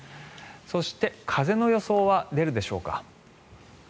そして、風の予想は出るでしょうか。